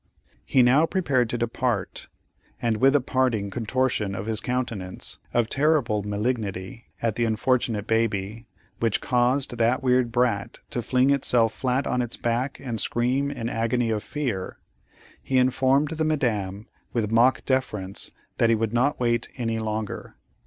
He now prepared to depart, and with a parting contortion of his countenance, of terrible malignity, at the unfortunate baby, which caused that weird brat to fling itself flat on its back and scream in agony of fear, he informed the Madame with mock deference that he would not wait any longer.